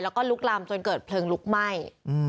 แล้วก็ลุกลำจนเกิดเพลิงลุกไหม้